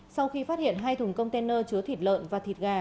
sau khi phát hiện hai thùng container chứa thịt lợn và thịt gà